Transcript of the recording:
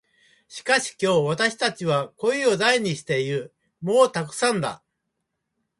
しかし今日、私たちは声を大にして言う。「もうたくさんだ」。